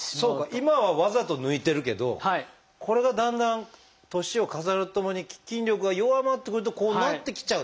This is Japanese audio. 今はわざと抜いてるけどこれがだんだん年を重ねるとともに筋力が弱まってくるとこうなってきちゃうと。